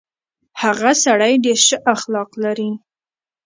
هغه سړی ډېر شه اخلاق لري.